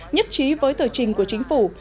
nhất trí với tờ trình của chính phủ